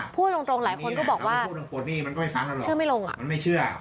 พูดตรงหลายคนก็บอกว่าเชื่อไม่ลงอ่ะ